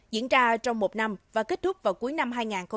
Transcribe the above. diễn ra trong một năm và kết thúc vào cuối năm hai nghìn hai mươi